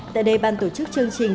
tại đây ban tổ chức chương trình